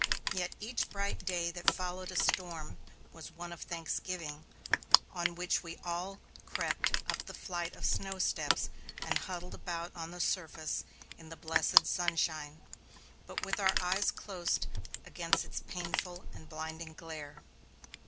Yet, each bright day that followed a storm was one of thanksgiving, on which we all crept up the flight of snow steps and huddled about on the surface in the blessed sunshine, but with our eyes closed against its painful and blinding glare.